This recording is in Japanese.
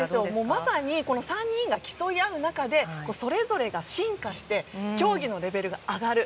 まさに３人が競い合う中でそれぞれが進化して競技のレベルが上がる。